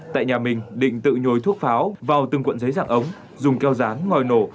tại nhà mình định tự nhồi thuốc pháo vào từng cuộn giấy dạng ống dùng keo rán ngòi nổ